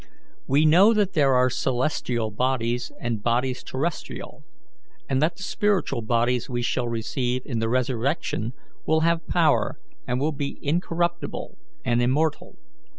We know that there are celestial bodies and bodies terrestrial, and that the spiritual bodies we shall receive in the resurrection will have power and will be incorruptible and immortal.